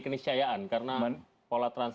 keniscayaan karena pola